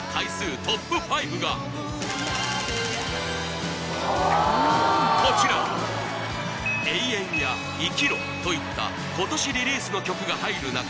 ＴＯＰ５がこちら「永遠」や「生きろ」といった今年リリースの曲が入る中